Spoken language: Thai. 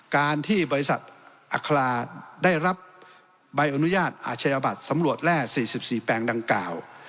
การที่บริษัทอัคราได้รับใบอนุญาตอาชญาบัตรสำรวจแร่๔๔แปลงดังกล่าว